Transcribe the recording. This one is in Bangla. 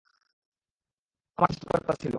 সে আমার সৃষ্টিকর্তা ছিল।